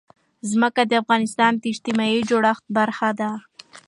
ځمکه د افغانستان د اجتماعي جوړښت برخه ده.